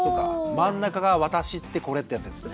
真ん中が「私ってこれ」ってやつですね。